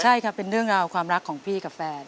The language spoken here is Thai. ใช่ครับเป็นเรื่องราวความรักของพี่กับแฟน